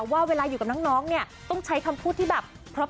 ว่าเวลายุ่งกับน้องต้องใช้คำพูดที่แบบ